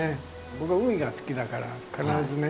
僕は海が好きだから必ずね